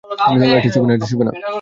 এটা ছোঁবে না।